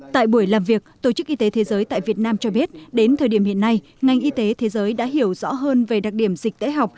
tại buổi làm việc tổ chức y tế thế giới tại việt nam cho biết đến thời điểm hiện nay ngành y tế thế giới đã hiểu rõ hơn về đặc điểm dịch tễ học